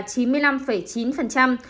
đủ hai mũi là ba mươi bảy bảy